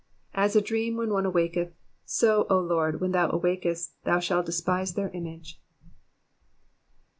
20 As a dream when 07ie awaketh ; so, O Lord, when thou awakesty thou shalt despise their image.